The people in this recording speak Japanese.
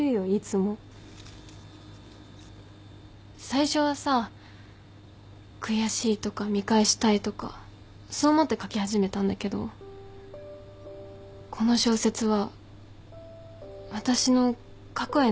最初はさ悔しいとか見返したいとかそう思って書き始めたんだけどこの小説は私の過去へのけじめなんだと思う。